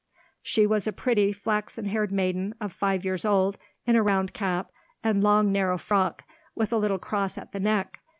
She was a pretty, flaxen haired maiden of five years old, in a round cap, and long narrow frock, with a little cross at the neck.